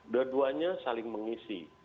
dua duanya saling mengisi